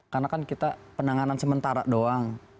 karena kan kita penanganan sementara doang